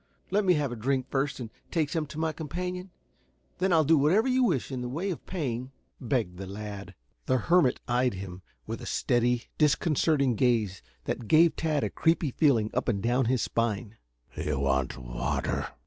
Let me have a drink first and take some to my companion; then I will do whatever you wish in the way of paying," begged the lad. The hermit eyed him with a steady, disconcerting gaze that gave Tad a creepy feeling up and down his spine. "You want water?"